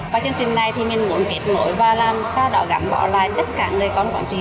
và chương trình này mình cũng kịp ngủi và làm sao đó gắn bỏ lại tất cả người con quảng trị